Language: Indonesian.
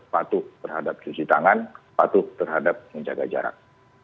patuh terhadap cuci tangan patuh terhadap menjaga jarak